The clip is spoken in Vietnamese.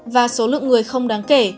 và số lượng người không đáng kể